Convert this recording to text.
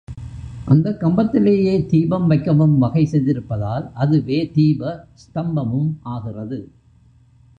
அந்தக் கம்பத்திலேயே தீபம் வைக்கவும்வகை செய்திருப்பதால் அதுவே தீப ஸ்தம்பமும் ஆகிறது.